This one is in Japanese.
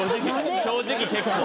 正直結構。